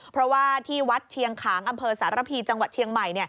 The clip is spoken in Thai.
เพราะว่าที่วัดเชียงขางอำเภอสารพีจังหวัดเชียงใหม่